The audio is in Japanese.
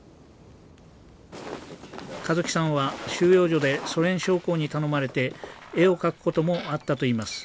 香月さんは収容所でソ連将校に頼まれて絵を描くこともあったといいます。